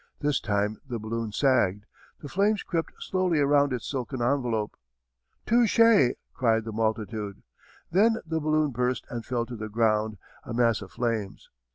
This time the balloon sagged. The flames crept slowly around its silken envelope. "Touchez!" cried the multitude. Then the balloon burst and fell to the ground a mass of flames.